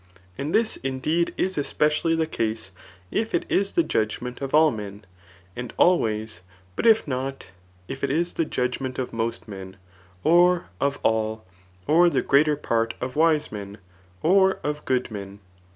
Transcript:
And this indeed is especially the case, if it is the judgment of all men, and always ; but if not, if it is the judg Bient of most mqn, or of all, or the greater part of wise men, or of good men.